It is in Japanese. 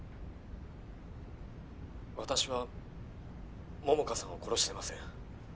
「私は桃花さんを殺してません」